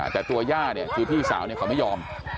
แต่ตัวย่าเนี่ยคือพี่สาวเขาไม่ยอม